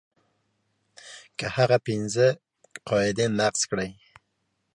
که هغه پنځه قاعدې نقض کړي.